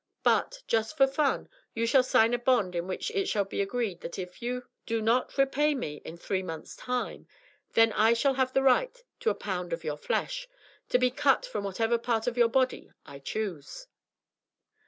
But, just for fun, you shall sign a bond in which it shall be agreed that if you do not repay me in three months' time, then I shall have the right to a pound of your flesh, to be cut from what part of your body I choose."